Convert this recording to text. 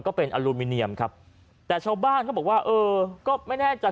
ก็เป็นอลูมิเนียมครับแต่ชาวบ้านเขาบอกว่าเออก็ไม่แน่ใจ